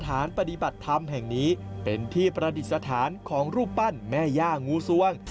ฐานปฏิบัติธรรมแห่งนี้เป็นที่ประดิษฐานของรูปปั้นแม่ย่างูสวง